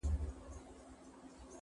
بس همدا د زورورو عدالت دی -